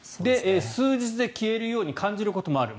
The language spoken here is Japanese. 数日で消えるように感じることがある。